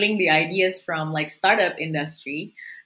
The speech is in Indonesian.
menggunakan ide dari industri startup